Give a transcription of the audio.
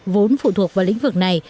vốn phụ thuộc vào lĩnh vực này